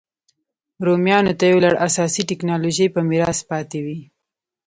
رومیانو ته یو لړ اساسي ټکنالوژۍ په میراث پاتې وې